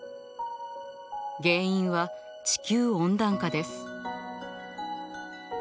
原因は地球温暖化です。